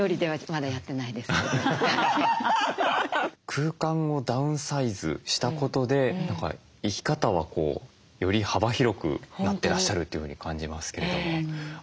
空間をダウンサイズしたことで何か生き方はより幅広くなってらっしゃるというふうに感じますけども。